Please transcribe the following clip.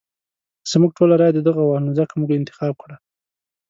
زموږ ټولو رايه ددغه وه نو ځکه مو انتخاب کړی.